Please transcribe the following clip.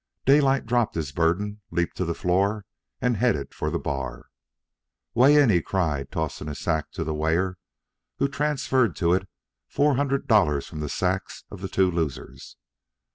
Daylight dropped his burden, leaped to the floor, and headed for the bar. "Weigh in!" he cried, tossing his sack to the weigher, who transferred to it four hundred dollars from the sacks of the two losers.